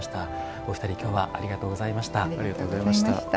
お二人、きょうはありがとうございました。